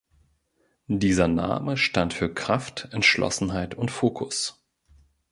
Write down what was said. Dieser Name stand für Kraft, Entschlossenheit und Fokus.